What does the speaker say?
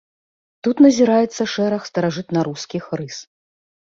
Тут назіраецца шэраг старажытнарускіх рыс.